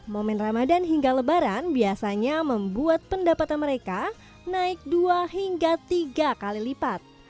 momen ramadan hingga lebaran biasanya membuat pendapatan mereka naik dua hingga tiga kali lipat